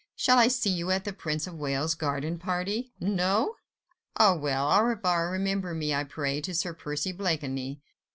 Shall I see you at the Prince of Wales' garden party?—No?—Ah, well, au revoir!—Remember me, I pray, to Sir Percy Blakeney."